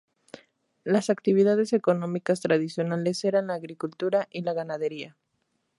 Las actividades económicas tradicionales eran la agricultura y la ganadería.